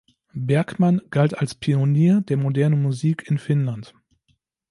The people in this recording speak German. Bergman galt als Pionier der modernen Musik in Finnland.